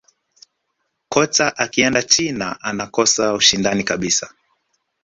kocha akienda china anakosa ushindani kabisa